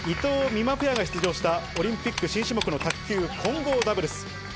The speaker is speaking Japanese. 水谷隼、伊藤美誠ペアが出場したオリンピック新種目の卓球・混合ダブルス。